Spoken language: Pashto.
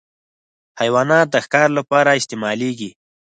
حیوانات د ښکار لپاره استعمالېږي.